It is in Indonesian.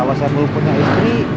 kalau saya mau punya istri